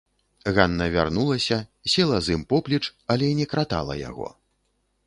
Ганна вярнулася, села з ім поплеч, але не кратала яго.